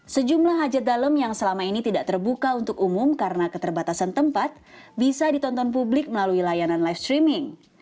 sejumlah hajat dalem yang selama ini tidak terbuka untuk umum karena keterbatasan tempat bisa ditonton publik melalui layanan live streaming